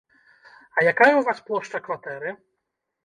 А якая ў вас плошча кватэры?